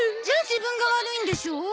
じゃあ自分が悪いんでしょ。